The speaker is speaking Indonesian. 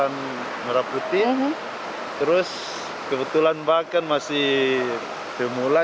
pengibaran merabuti terus kebetulan bahkan masih bermula